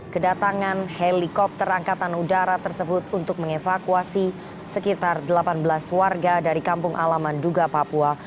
kedatangan helikopter angkatan udara tersebut untuk mengevakuasi sekitar delapan belas warga dari kampung alaman duga papua